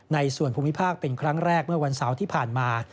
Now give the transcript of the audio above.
ในส่วนภูมิภาคเป็นครั้งแรกเมื่อวันเสาร์ที่ผ่านมา